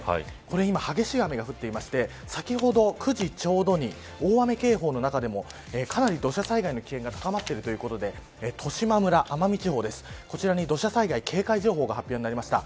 今、激しい雨が降っていて先ほど９時ちょうどに大雨警報の中でもかなり土砂災害の危険が高まっているということで奄美地方の十島村に土砂災害警戒情報が発表になりました。